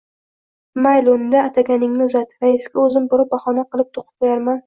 Mayli, unda, ataganingni uzat, raisga o‘zim biror bahona to‘qib qo‘yarman